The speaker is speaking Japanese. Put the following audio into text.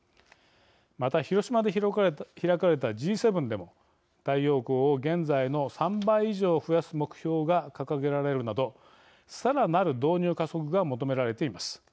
また、広島で開かれたＧ７でも太陽光を現在の３倍以上増やす目標が掲げられるなどさらなる導入加速が求められています。